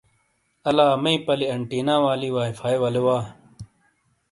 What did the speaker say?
آلا مئی پلی انٹینا والی وائی فائی ولے وا ۔